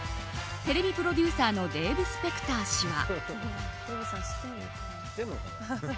テレビプロデューサーのデーブ・スペクター氏は。